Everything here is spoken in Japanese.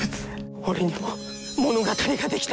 俺にも物語が出来た。